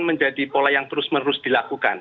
menjadi pola yang terus menerus dilakukan